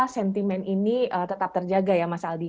sentimen ini tetap terjaga ya mas aldi